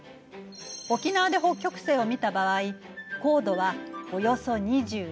沖縄で北極星を見た場合高度はおよそ２６度。